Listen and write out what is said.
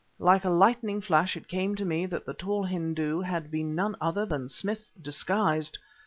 Like a lightning flash it came to me that the tall Hindu had been none other than Smith disguised.